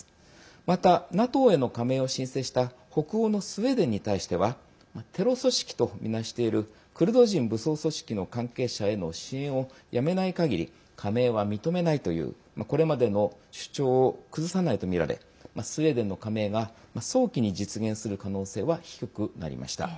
またＮＡＴＯへの加盟を申請した北欧のスウェーデンに対してはテロ組織とみなしているクルド人武装組織の関係者への支援をやめないかぎり加盟は認めないというこれまでの主張を崩さないとみられスウェーデンの加盟が、早期に実現する可能性は低くなりました。